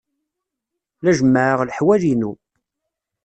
La jemmɛeɣ leḥwal-inu.